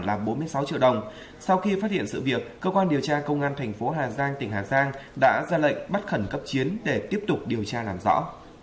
là bốn mươi sáu triệu đồng sau khi phát hiện sự việc cơ quan điều tra công an thành phố hà giang tỉnh hà giang đã ra lệnh bắt khẩn cấp chiến để tiếp tục điều tra làm rõ